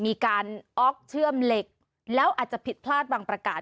มีการออกเชื่อมเหล็กแล้วอาจจะผิดพลาดบางประกาศ